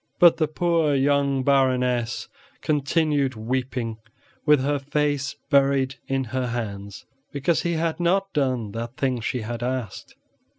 But the poor young Baroness continued weeping with her face buried in her hands, because he had not done that thing she had asked.